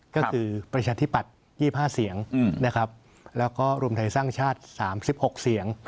ก็คือประชาธิปัตย์๒๕เสียงนะครับแล้วก็รวมไทยสร้างชาติ๓๖เสียง